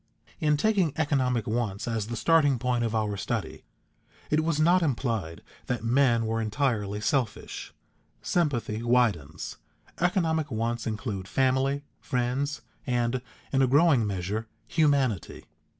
In taking economic wants as the starting point of our study, it was not implied that men were entirely selfish. Sympathy widens; economic wants include family, friends, and, in a growing measure, humanity.